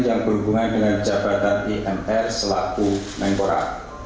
yang berhubungan dengan jabatan i n r selaku menkora